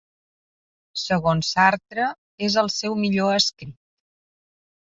Segons Sartre, és el seu millor escrit.